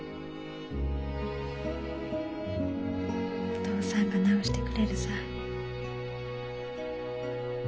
お父さんが治してくれるさぁ。